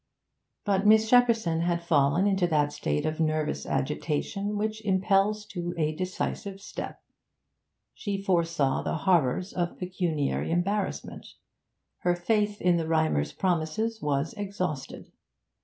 But Miss Shepperson had fallen into that state of nervous agitation which impels to a decisive step. She foresaw the horrors of pecuniary embarrassment. Her faith in the Rymers' promises was exhausted.